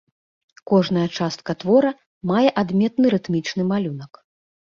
Кожная частка твора мае адметны рытмічны малюнак.